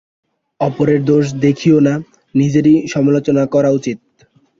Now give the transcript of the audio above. অপরের দোষ দেখিও না, নিজেরই সমালোচনা করা উচিত।